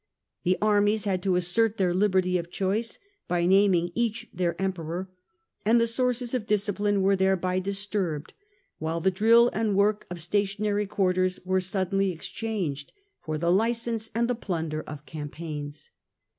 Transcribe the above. The armies had to assert theii liberty of choice by naming each their Emperor, and the sources of discipline were thereby disturbed, while the drill and work of stationary quarters were suddenly exchanged for the license and the plunder of campaigns.